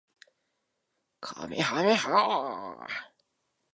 However, it also presented many challenges and dangers.